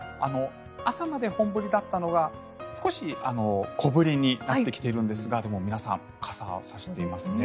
朝まで本降りだったのは少し小降りになってきているんですがでも皆さん傘を差していますね。